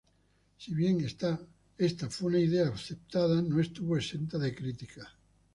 Si bien esta fue una idea aceptada, no estuvo exenta de críticas.